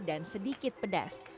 dan sedikit pedas